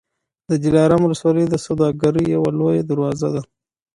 د دلارام ولسوالي د سوداګرۍ یوه لویه دروازه ده.